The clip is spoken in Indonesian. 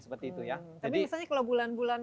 seperti itu ya tapi misalnya kalau bulan bulan